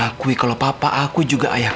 anda mereka ifman totaku dalam tiga puluh menit